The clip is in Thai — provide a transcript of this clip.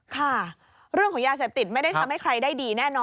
ค่ะเรื่องของยาเสพติดไม่ได้ทำให้ใครได้ดีแน่นอน